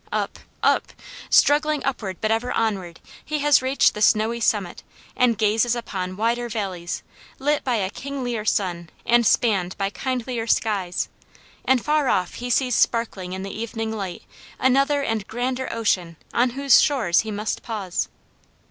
Up! up! Struggling upward but ever onward he has reached the snowy summit and gazes upon wider valleys lit by a kinglier sun and spanned by kindlier skies; and far off he sees sparkling in the evening light another and grander ocean on whose shores he must pause.